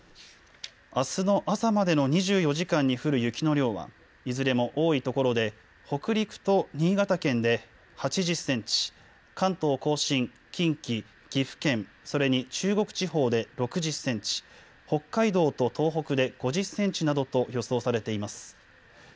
あすの朝までの２４時間に降る雪の量はいずれも多いところで北陸と新潟県で８０センチ、関東甲信、近畿、岐阜県、それに中国地方で６０センチ、北海道と東北で５０センチなどと予想されています。